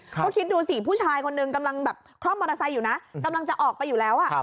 ก็คิดดูสิผู้ชายคนหนึ่งกำลังแบบคล่อมมอเตอร์ไซค์อยู่นะกำลังจะออกไปอยู่แล้ว